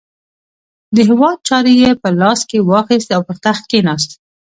د هیواد چارې یې په لاس کې واخیستې او پر تخت کښېناست.